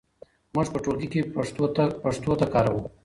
موږ په ټولګي کې پښتو کاروو.